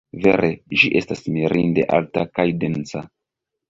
Vere, ĝi estas mirinde alta kaj densa.